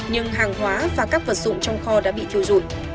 nhưng hàng hóa và các vật dụng trong kho đã bị thiêu dụi